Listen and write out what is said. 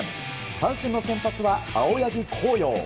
阪神の先発は青柳晃洋。